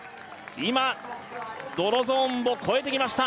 今泥ゾーンを越えていきました